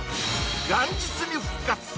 元日に復活！